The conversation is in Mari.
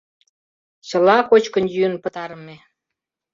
Чыла кочкын-йӱын пытарыме.